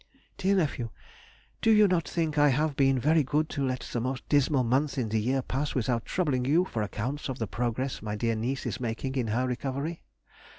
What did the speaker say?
DEAR NEPHEW,— Do not you think I have been very good to let the most dismal month in the year pass without troubling you for accounts of the progress my dear niece is making in her recovery?